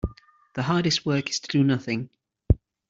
The hardest work is to do nothing.